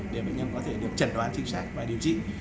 để bệnh nhân có thể được trần đoán chính xác và điều trị